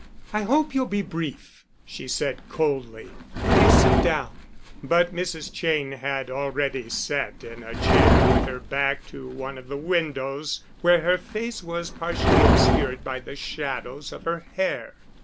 "I hope you'll be brief," she said coldly. "Will you sit down?" But Mrs. Cheyne had already sat in a chair with her back to one of the windows, where her face was partially obscured by the shadows of her hair.